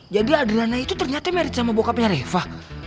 jadi adriana itu ternyata married sama bokapnya reva